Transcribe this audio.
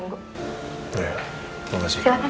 kamu bisa bilang ama ada pofa illness